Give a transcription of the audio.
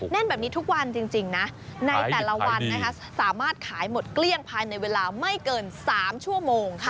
แน่นแบบนี้ทุกวันจริงนะในแต่ละวันนะคะสามารถขายหมดเกลี้ยงภายในเวลาไม่เกิน๓ชั่วโมงค่ะ